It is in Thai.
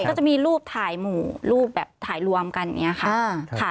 ก็จะมีรูปถ่ายหมู่รูปแบบถ่ายรวมกันอย่างนี้ค่ะ